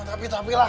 tapi tapi lah